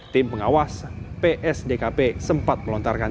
tim pengawas psdkp sempat melontarkan